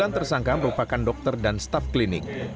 sembilan tersangka merupakan dokter dan staf klinik